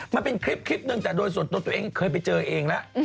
มันเป็นคลิปหนึ่งแต่โดยส่วนตัวตัวเองเคยไปเจอเองแล้ว